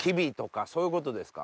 そういうことですか？